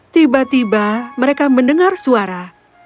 tiba tiba mereka mendengar suara